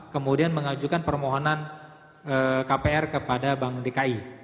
kemudian mengajukan permohonan kpr kepada bank dki